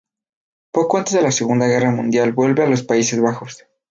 Poco antes de la Segunda Guerra Mundial vuelve a los Países Bajos.